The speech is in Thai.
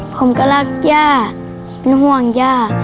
ผมก็รักย่าเป็นห่วงย่า